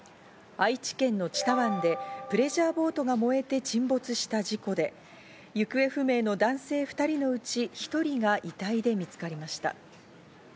愛知県の知多湾でプレジャーボートが燃えて沈没した事故で、行方不明の男性２人のうち１人が遺体で見つかりました。